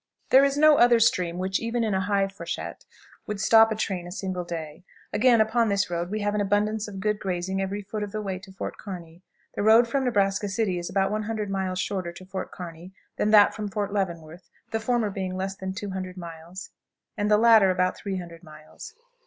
"There is no other stream which, even in a high freshet, would stop a train a single day. Again, upon this route we have an abundance of good grazing every foot of the way to Fort Kearney. The route from Nebraska City is about 100 miles shorter to Fort Kearney than that from Fort Leavenworth, the former being less than 200 miles and the latter about 300 miles."